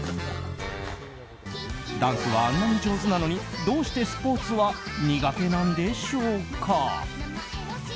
ダンスはあんなに上手なのにどうしてスポーツは苦手なんでしょうか。